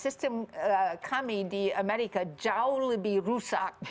sistem kami di amerika jauh lebih rusak